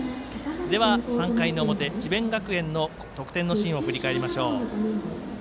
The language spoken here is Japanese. ３回の表、智弁学園の得点のシーンを振り返りましょう。